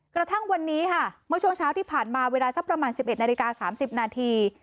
กระทั่งวันนี้ค่ะเมื่อช่วงเช้าที่ผ่านมาเวลาสักประมาณ๑๑นาฬิกา๓๐นาที